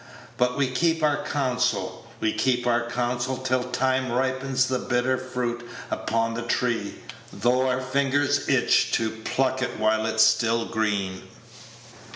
But we keep our counsel we keep our counsel till time ripens the bitter fruit upon the tree, though our fingers itch to pluck it while it is still green."